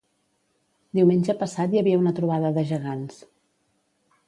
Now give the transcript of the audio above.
Diumenge passat hi havia una trobada de gegants